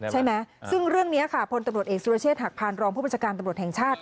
ใช่ไหมซึ่งเรื่องนี้ค่ะพลตำรวจเอกสุรเชษฐหักพานรองผู้บัญชาการตำรวจแห่งชาติ